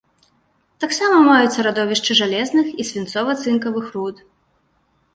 Таксама маюцца радовішчы жалезных і свінцова-цынкавых руд.